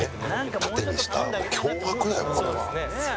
盾にした脅迫だよこれは。